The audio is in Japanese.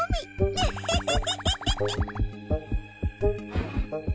ヌフフフ。